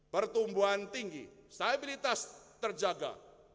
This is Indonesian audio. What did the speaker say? pertumbuhan tinggi stabilitas terjaga